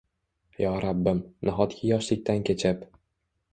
Yo rabbim, nahotki yoshlikdan kechib